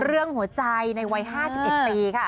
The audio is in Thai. เรื่องหัวใจในวัย๕๑ปีค่ะ